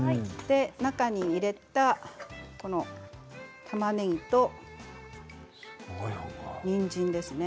中に入れたたまねぎとにんじんですね